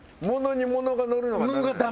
ものにものがのるのが。